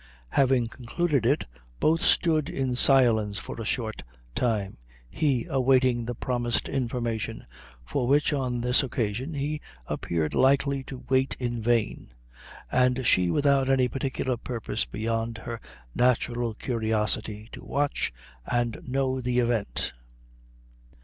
Having concluded it, both stood in silence for a short time, he awaiting the promised information for which on this occasion he appeared likely to wait in vain; and she without any particular purpose beyond her natural curiosity to watch and know the event.